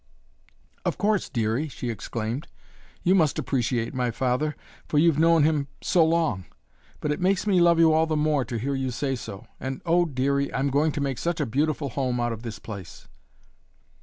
"Of course, Dearie," she exclaimed, "you must appreciate my father, for you've known him so long; but it makes me love you all the more to hear you say so and oh, Dearie, I'm going to make such a beautiful home out of this place!"